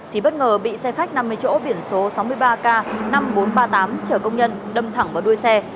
thì bất ngờ bị xe khách năm mươi chỗ biển số sáu mươi ba k năm nghìn bốn trăm ba mươi tám chở công nhân đâm thẳng vào đuôi xe